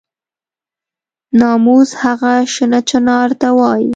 ناموس هغه شنه چنار ته وایي.